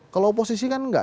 kalau oposisi kan enggak